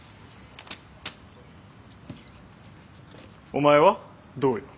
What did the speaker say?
お前は？どうよ。